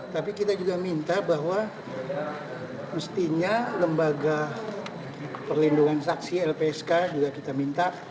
tapi kita juga minta bahwa mestinya lembaga perlindungan saksi lpsk juga kita minta